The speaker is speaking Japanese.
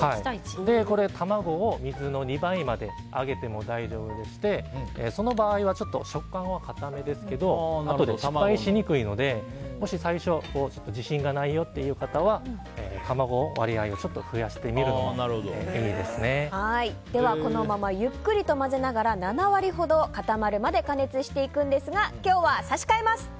卵を水の２倍あげても大丈夫でしてその場合は食感は硬めですけどあとで失敗しにくいのでもし最初自信がないよという方は卵の割合をでは、このままゆっくりと混ぜながら７割ほど固まるまで加熱していくんですが今日は差し替えます。